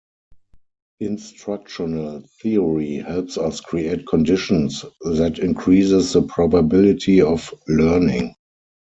Instructional theory helps us create conditions that increases the probability of learning.